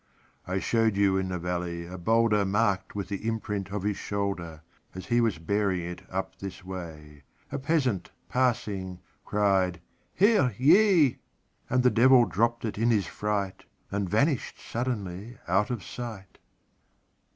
I showed you in the valley a boulderMarked with the imprint of his shoulder; As he was bearing it up this way,A peasant, passing, cried, "Herr Jé!"And the Devil dropped it in his fright, And vanished suddenly out of sight!